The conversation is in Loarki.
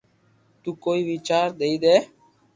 تو ڪوئئي وچار ديئي دي